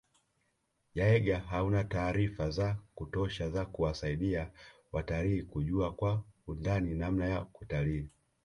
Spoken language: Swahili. Jaeger hauna taarifa za kutosha za kuwasaidia watalii kujua kwa undani namna ya kutalii